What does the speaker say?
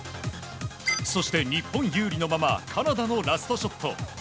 そして、日本有利のままカナダのラストショット。